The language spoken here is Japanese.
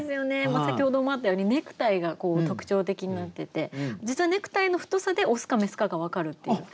先ほどもあったようにネクタイが特徴的になってて実はネクタイの太さでオスかメスかが分かるっていう。